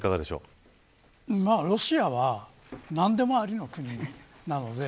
ロシアは何でもありの国なので。